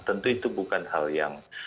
tentu itu bukan hal yang